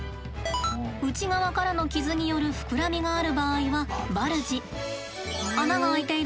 内側からの傷による膨らみがある場合はＢＵＬＧＥ。